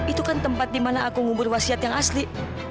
itu kan tempat dimana aku ngubur wasiat yang asli